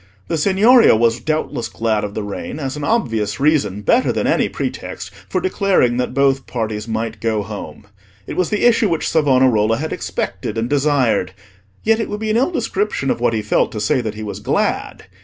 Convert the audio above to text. The Signoria was doubtless glad of the rain, as an obvious reason, better than any pretext, for declaring that both parties might go home. It was the issue which Savonarola had expected and desired; yet it would be an ill description of what he felt to say that he was glad.